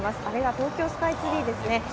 あれが東京スカイツリーですね。